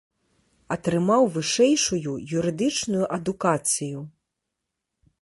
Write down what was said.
Атрымаў вышэйшую юрыдычную адукацыю.